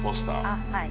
あっはい。